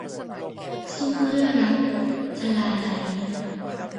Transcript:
สู้เพื่อรัก - ชลาลัย